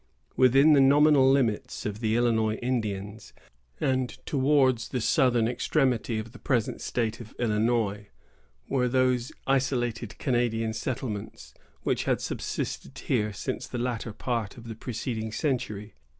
Within the nominal limits of the Illinois Indians, and towards the southern extremity of the present state of Illinois, were those isolated Canadian settlements, which had subsisted here since the latter part of the preceding century.